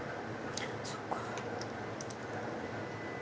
そっか。